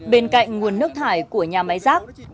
bên cạnh nguồn nước thải của nhà bãi giác